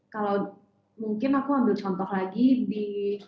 kalau mungkin aku ambil contoh lagi di